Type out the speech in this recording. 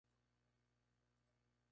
Noah Beery, Jr.